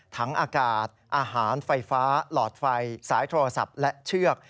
อากาศอาหารไฟฟ้าหลอดไฟสายโทรศัพท์และเชือก